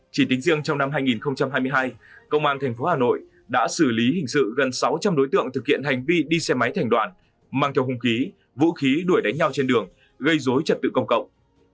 chỉ tính riêng trong năm hai nghìn hai mươi hai công an tp hà nội đã xử lý hình sự gần sáu trăm linh đối tượng thực hiện hành vi đi xe máy thành đoạn mang theo hung khí vũ khí đuổi đánh nhau trên đường gây dối trật tự công cộng